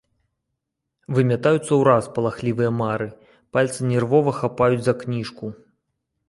Вымятаюцца ўраз палахлівыя мары, пальцы нервова хапаюць за кніжку.